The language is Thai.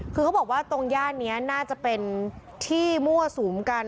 คือเขาบอกว่าตรงย่านนี้น่าจะเป็นที่มั่วสุมกัน